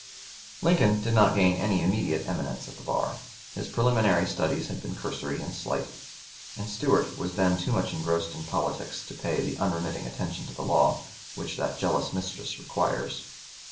] Lincoln did not gain any immediate eminence at the bar. His preliminary studies had been cursory and slight, and Stuart was then too much engrossed in politics to pay the unremitting attention to the law which that jealous mistress requires.